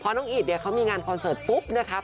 น้องอีดเนี่ยเขามีงานคอนเสิร์ตปุ๊บนะครับ